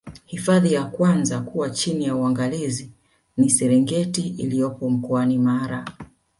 hifadhi ya kwanza kuwa chini ya uangalizi ni serengeti iliyopo mkoani mara